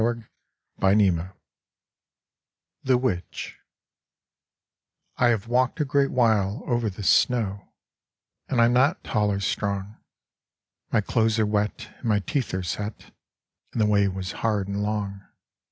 Mary Coleridge The Witch I HAVE walked a great while over the snow, And I am not tall or strong. My clothes are wet, and my teeth are set, And the way was hard and long.